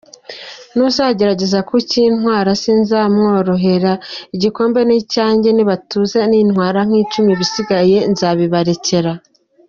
N’uzagerageza kukintwara sinzamworohera, igikombe ni icyanjye, nibatuze nintwara nk’icumi ibisigaye nzabibarekera”.